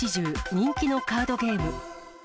人気のカードゲーム。